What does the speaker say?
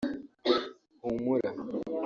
humura